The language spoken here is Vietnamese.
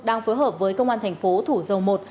đang phối hợp với công an thành phố thủ dầu một